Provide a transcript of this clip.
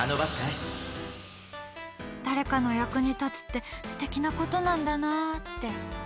誰かの役に立つって素敵なことなんだなって。